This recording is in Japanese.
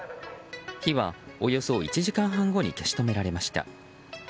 火は、およそ１時間半後に消し止められました。